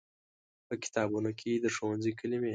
په کتابونو کې د ښوونځي کلمې